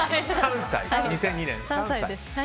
２００２年。